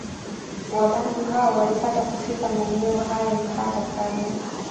Wabantu hao walipata kufika maeneo hayo hata kabla